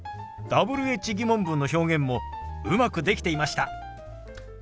Ｗｈ−疑問文の表現もうまくできていました。